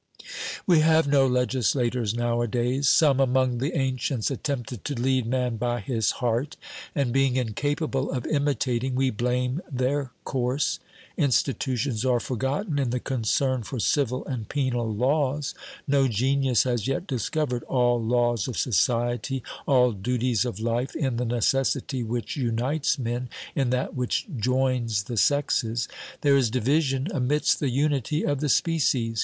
We have no legislators nowadays. Some among the ancients attempted to lead man by his heart, and, being incapable of imitating, we blame their course. Institutions are forgotten in the concern for civil and penal laws. No genius has yet discovered all laws of society, all duties of life, in the necessity which unites men, in that which joins the sexes. There is division amidst the unity of the species.